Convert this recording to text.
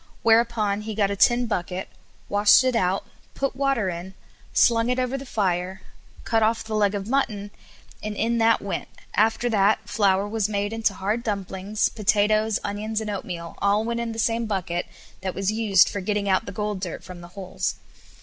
Whereupon he got a tin bucket, washed it out, put water in, slung it over the fire, cut off the leg of mutton, and in that went, after that flour was made into hard dumplings, potatoes, onions, and oatmeal all went in the same bucket that was used for getting out the gold dirt from the holes.